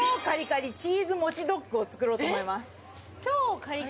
作ろうと思います。